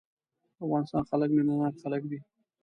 د افغانستان خلک مينه ناک خلک دي.